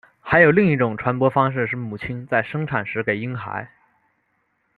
还有另一种传播方式是母亲在生产时给婴孩。